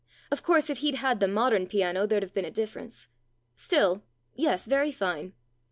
Of course, if he'd had the modern piano there'd have been a difference. Still yes, very fine.